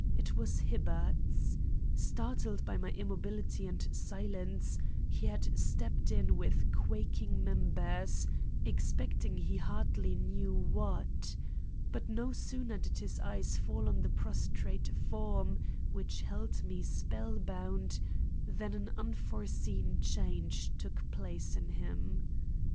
It was Hibbard's. Startled by my immobility and silence, he had stepped in with quaking members, expecting he hardly knew what. But no sooner did his eyes fall on the prostrate form which held me spellbound, than an unforeseen change took place in him.